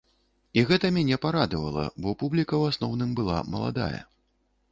І гэта мяне парадавала, бо публіка ў асноўным была маладая.